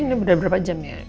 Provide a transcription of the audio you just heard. ini udah berapa jam ya